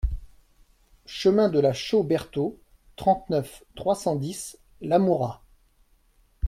Chemin de la Chaux Berthod, trente-neuf, trois cent dix Lamoura